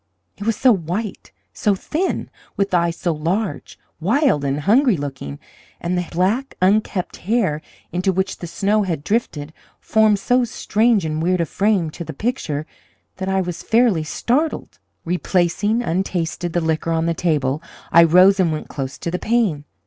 It was so white, so thin, with eyes so large, wild, and hungry looking, and the black, unkempt hair, into which the snow had drifted, formed so strange and weird a frame to the picture, that I was fairly startled. Replacing, untasted, the liquor on the table, I rose and went close to the pane.